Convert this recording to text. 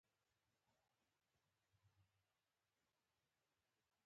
د گلونو پر ښاخونو مرغکۍ دی چی زنگېږی